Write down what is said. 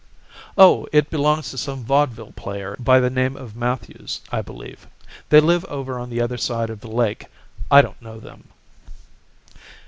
"'Oh, it belongs to some Vaudeville player by the name of Matthews, I believe. They live over on the other side of the lake. I don't know them.'